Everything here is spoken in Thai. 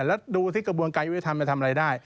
แล้วดูที่กระบวนการยุทธิธรรมจะทำอะไรได้